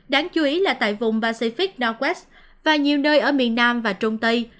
đáng chú ý là tại vùng pacific nowq và nhiều nơi ở miền nam và trung tây